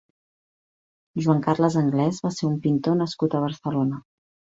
Joan Carles Anglès va ser un pintor nascut a Barcelona.